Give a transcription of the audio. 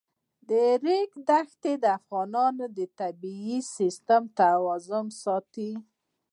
د ریګ دښتې د افغانستان د طبعي سیسټم توازن ساتي.